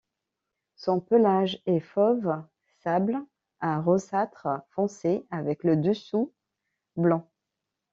Son pelage est fauve sable à roussâtre foncé, avec le dessous blanc.